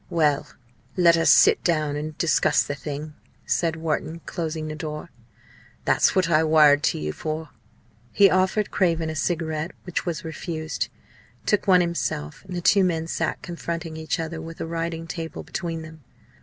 "Well, let us sit down and discuss the thing," said Wharton, closing the door, "that's what I wired to you for." He offered Craven a cigarette, which was refused, took one himself, and the two men sat confronting each other with a writing table between them.